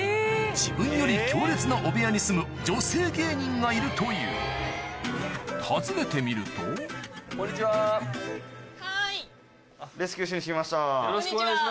自分より強烈な汚部屋に住む女性芸人がいるという訪ねてみると・はい・レスキューしに来ました。